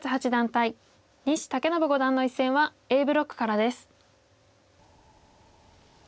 対西健伸五段の一戦はＡブロックからです。